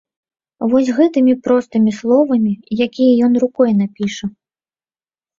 Вось гэтымі простымі словамі, якія ён рукой напіша.